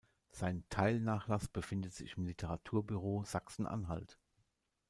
Sein Teilnachlass befindet sich im Literaturbüro Sachsen-Anhalt.